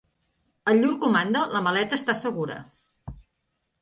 En llur comanda, la maleta està segura.